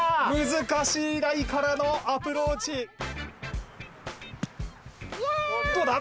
難しいライからのアプローチどうだ？